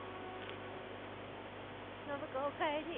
暢子お帰り。